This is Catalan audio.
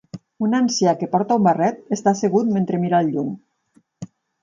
un ancià que porta un barret està assegut mentre mira al lluny